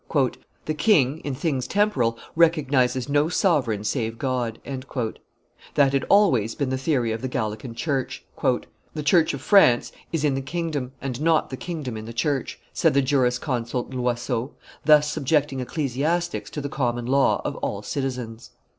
"The king, in things temporal, recognizes no sovereign save God." That had always been the theory of the Gallican church. "The church of France is in the kingdom, and not the kingdom in the church," said the jurisconsult Loyseau, thus subjecting ecclesiastics to the common law of all citizens.